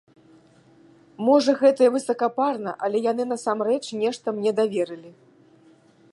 Можа, гэта і высакапарна, але яны насамрэч нешта мне даверылі.